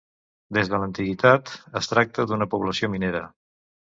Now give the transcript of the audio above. Des de l’antiguitat es tracta d’una població minera.